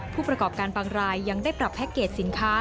ผู้ประกอบการบางรายยังได้ปรับแพ็คเกจสินค้า